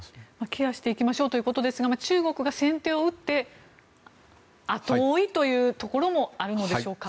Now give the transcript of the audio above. ケアしていきましょうということですが中国が先手を打って後追いというところもあるでしょうか。